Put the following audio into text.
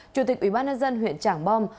chủ tịch ủy ban nhân dân huyện trảng bom